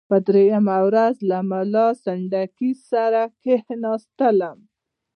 په دریمه ورځ له ملا سنډکي سره کښېنستلم.